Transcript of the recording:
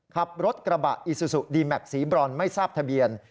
ขับรถกระบะอิซูซูดีแม็กซีบรอนไม่ทราบทะเบียน